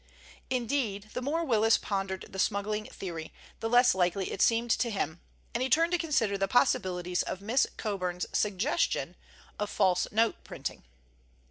Indeed, the more Willis pondered the smuggling theory, the less likely it seemed to him, and he turned to consider the possibilities of Miss Coburn's suggestion of false note printing.